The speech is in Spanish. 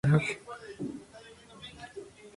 Su Santo Patrono es "San Miguel Arcángel".